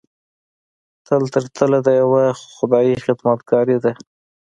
تل تر تله د یوه خدای خدایي ده.